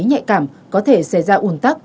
nhạy cảm có thể xảy ra ủn tắc